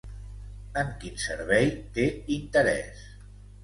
En quin servei té interès?